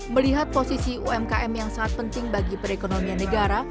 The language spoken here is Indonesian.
melihat posisi umkm yang sangat penting bagi perekonomian negara